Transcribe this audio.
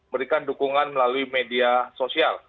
berikan dukungan melalui media sosial